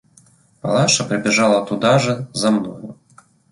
Палаша прибежала туда же за мною.